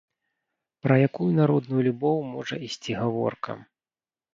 Пра якую народную любоў можа ісці гаворка?